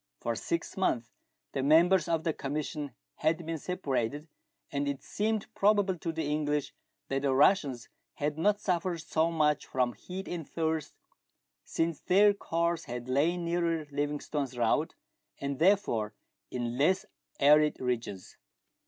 For six months the members of the commission had been separated, and it seemed probable to the English that the Russians had not suffered so much from heat and thirst, since their course had lain nearer Livingstone's route, and therefore in less arid regions.